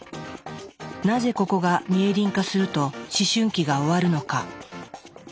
なぜここがミエリン化すると思春期が終わるのか。